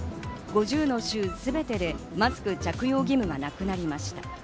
５０の州全てでマスク着用義務がなくなりました。